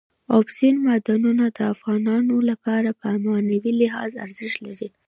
اوبزین معدنونه د افغانانو لپاره په معنوي لحاظ ارزښت لري.